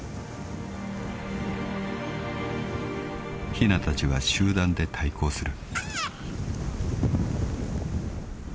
［ひなたちは集団で対抗する］